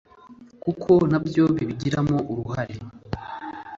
kuko na byo bibigiramo uruhare